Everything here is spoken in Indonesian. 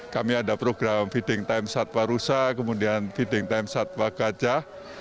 kami ada program feeding time satwa rusa kemudian feeding time satwa gajah